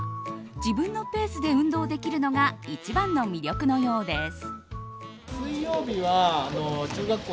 自分のペースで運動できるのが一番の魅力のようです。